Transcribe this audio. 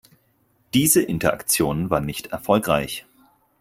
Diese Interaktion war nicht erfolgreich.